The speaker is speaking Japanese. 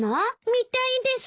見たいです。